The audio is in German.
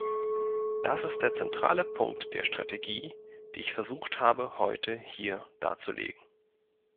Das ist der zentrale Punkt der Strategie, die ich versucht habe heute hier darzulegen.